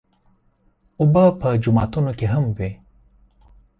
اوبه په جوماتونو کې هم وي.